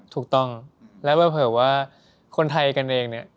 ถูกต้องแล้วเผลอว่าคนไทยกันเองเนี่ย